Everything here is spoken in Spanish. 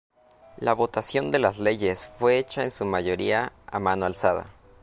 La votación de las leyes fue hecha en su mayoría a mano alzada.